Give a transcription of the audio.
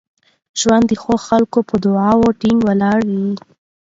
ژوند د ښو خلکو په دعاوو ټینګ ولاړ وي.